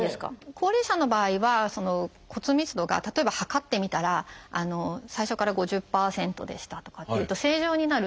高齢者の場合は骨密度が例えば測ってみたら最初から５０％でしたとかっていうと正常になる